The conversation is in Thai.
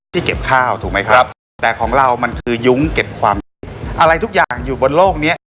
ที่เก็บข้าวถูกไหมครับแต่ของเรามันคือยุ้งเก็บความทุกข์อะไรทุกอย่างอยู่บนโลกเนี้ย